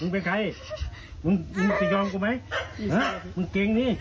ตายหรอที่ต้องหลักนี่